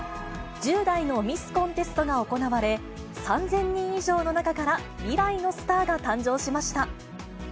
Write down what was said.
１０代のミスコンテストが行われ、３０００人以上の中から未来のスターが誕生しました。